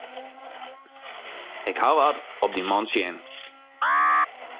Ik haw wat op dy man tsjin.